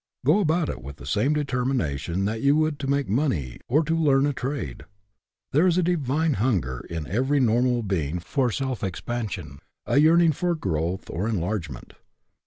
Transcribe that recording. Go about it with the same determination that you would to make money or to learn a trade. There is a divine hunger in every nor mal being for self expansion, a yearning for growth or enlargement.